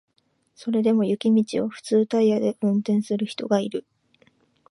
それでも雪道を普通タイヤで運転する人がいる